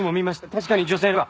確かに女性が。